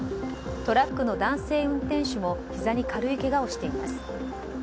トラックの男性運転手もひざに軽いけがをしています。